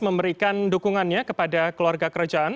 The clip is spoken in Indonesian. memberikan dukungannya kepada keluarga kerajaan